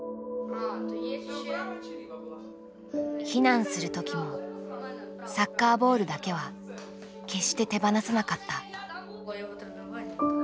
避難する時もサッカーボールだけは決して手放さなかった。